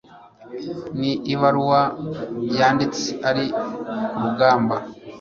Ni ibaruwa yanditse ari kurugamba